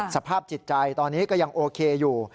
สภาพจิตใจตอนนี้ก็ยังโอเคอยู่